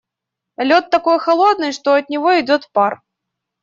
Лед такой холодный, что от него идёт пар.